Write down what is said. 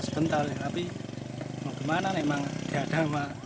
mas sebentar tapi mau kemana memang tidak ada